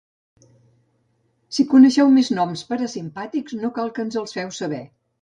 Si coneixeu més noms parasimpàtics no cal que ens els feu saber.